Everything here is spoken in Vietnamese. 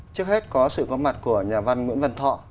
trước hết có sự có mặt của nhà văn nguyễn văn thọ